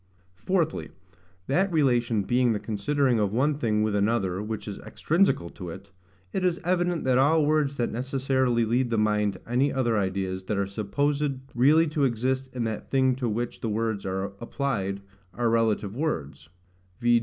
Fourthly, That relation being the considering of one thing with another which is extrinsical to it, it is evident that all words that necessarily lead the mind to any other ideas than are supposed really to exist in that thing to which the words are applied are relative words: v.